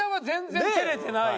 全然。